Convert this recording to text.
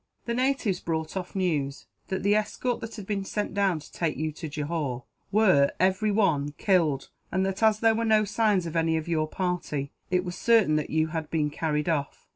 The natives brought off news that the escort that had been sent down to take you to Johore were, every one, killed; and that, as there were no signs of any of your party, it was certain that you had been carried off.